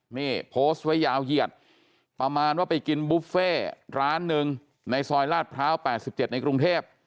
นี่โพสต์ไว้ยาวเหยียดประมาณว่าไปกินบุฟเฟ่ร้านหนึ่งในซอยลาดพร้าว๘๗ในกรุงเทพ